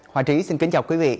hòa trí xin kính chào quý vị